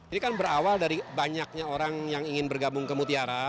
ini kan berawal dari banyaknya orang yang ingin bergabung ke mutiara